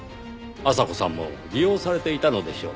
阿佐子さんも利用されていたのでしょう。